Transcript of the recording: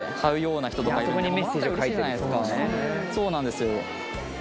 確かにそうなんですよ